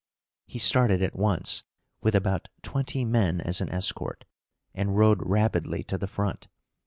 He started at once, with about twenty men as an escort, and rode rapidly to the front.